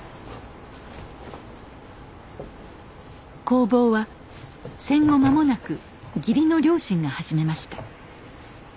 工房は戦後まもなく義理の両親が始めました。